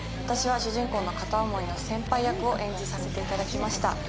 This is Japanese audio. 私は主人公の片思いの先輩役を演じさせていただきました。